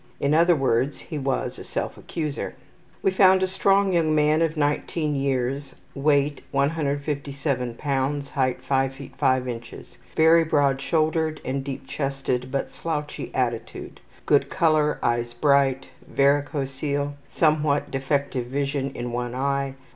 In other words he was a self accuser. We found a strong young man of 19 years; weight 157 lbs., height 5 ft. 5 in. Very broad shouldered and deep chested, but slouchy attitude. Good color. Eyes bright. Varicocele. Somewhat defective vision in one eye.